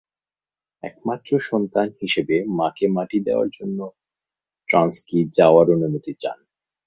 একমাত্র সন্তান হিসেবে মাকে মাটি দেওয়ার জন্য ট্রানস্কি যাওয়ার অনুমতি চান।